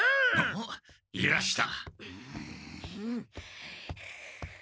おっいらした。